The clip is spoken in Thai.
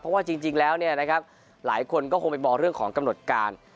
เพราะว่าจริงแล้วหลายคนก็คงไปมองเรื่องของกำหนดการ